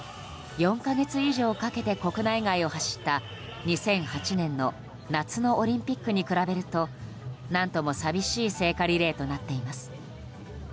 ４か月以上かけて国内外を走った２００８年の夏のオリンピックに比べると何とも寂しい聖火リレーとなっています。